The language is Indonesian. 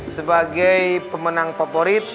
sebagai pemenang favorit